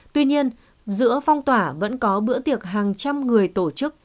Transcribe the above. tuy nhiên giữa phong tỏa vẫn có bữa tiệc hàng trăm người tổ chức